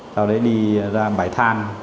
sau đấy đi ra bài than